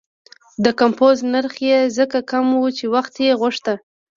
د کمپوز نرخ یې ځکه کم و چې وخت یې غوښته.